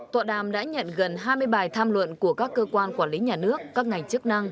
tọa đàm đã nhận gần hai mươi bài tham luận của các cơ quan quản lý nhà nước các ngành chức năng